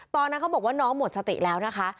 ตอนนั้นเขาบอกว่าน้องหมดสติแล้วนะคะ